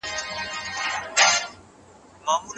د مختلفو کلتورونو ترمنځ اړیکي د خلاقیت لامل ګرځي.